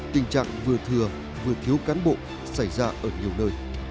tình trạng vừa thừa vừa thiếu cán bộ xảy ra ở nhiều nơi